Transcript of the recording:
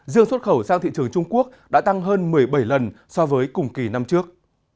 dương xuất khẩu sang thị trường trung quốc đã tăng hơn một mươi bảy lần so với cùng kỳ năm trước